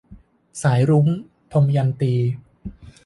สายรุ้ง - ทมยันตี